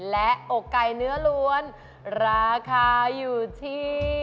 และอกไก่เนื้อล้วนราคาอยู่ที่